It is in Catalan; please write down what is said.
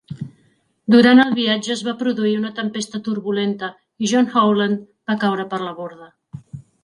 Durant el viatge es va produir una tempesta turbulenta i John Howland va caure per la borda.